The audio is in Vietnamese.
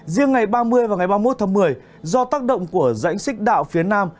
riêng ngày ba mươi và ngày ba mươi một tháng một mươi do tác động của dãnh xích đạo phía nam